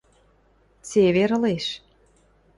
Цевер ылеш.